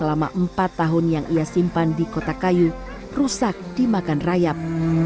selama empat tahun yang ia simpan di kota kayu rusak dimakan rayap